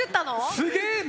すげえね！